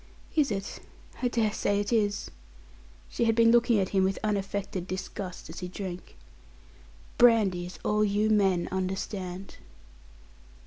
"Is it? I dare say it is." She had been looking at him with unaffected disgust as he drank. "Brandy is all you men understand."